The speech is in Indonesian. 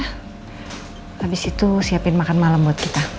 habis itu siapin makan malam buat kita